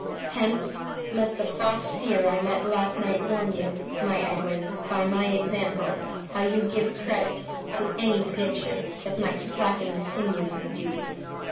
Hence let the false seer I met last night warn you, my Edwin, by my example, how you give credit to any prediction that might slacken the sinews of duty.